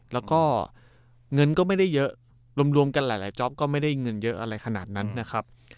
แล้วก็เงินก็ไม่ได้เยอะรวมกันหลายจ๊อปก็ไม่ได้เงินเยอะอะไรขนาดนั้นนะครับ